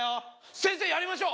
先生やりましょう！